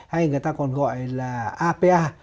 hay người ta còn gọi là apa